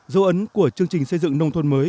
dấu ấn của chương trình xây dựng nông thôn mới